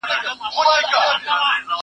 زه کتابونه نه وړم!!